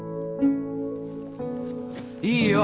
いいよ！